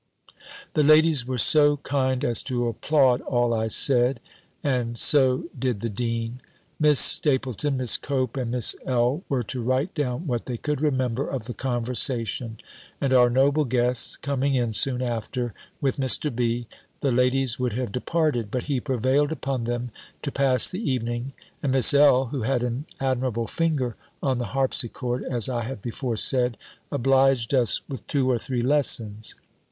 The ladies were so kind as to applaud all I said, and so did the dean. Miss Stapylton, Miss Cope, and Miss L. were to write down what they could remember of the conversation: and our noble guests coming in soon after, with Mr. B., the ladies would have departed; but he prevailed upon them to pass the evening; and Miss L., who had an admirable finger on the harpsichord, as I have before said, obliged us with two or three lessons.